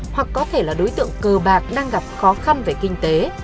hoặc có thể là đối tượng cờ bạc đang gặp khó khăn về kinh tế